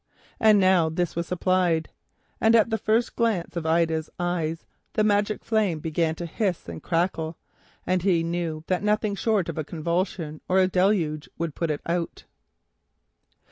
And now this was supplied, and at the first glance of Ida's eyes the magic flame began to hiss and crackle, and he knew that nothing short of a convulsion or a deluge would put it out.